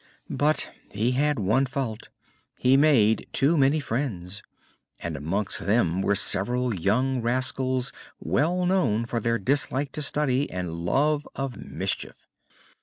But he had one fault: he made too many friends, and amongst them were several young rascals well known for their dislike to study and love of mischief.